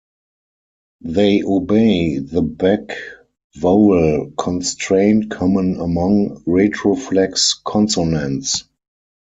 They obey the back-vowel constraint common among retroflex consonants.